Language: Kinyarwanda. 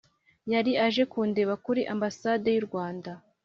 yari aje kundeba kuri ambasade y'u rwanda